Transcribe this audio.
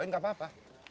oh enggak apa apa